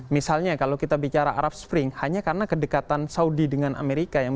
misalnya kalau kita bicara arab spring hanya karena kedekatan saudi dengan amerika